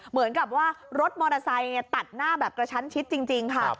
เหมือนกับว่ารถมอเตอร์ไซค์ตัดหน้าแบบกระชั้นชิดจริงค่ะ